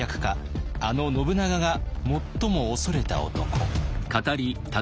あの信長が最も恐れた男。